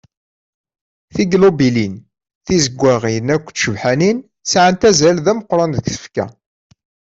Tiglubulin tizeggaɣin akked tcebḥanin sɛant azal d ameqqran deg tfekka.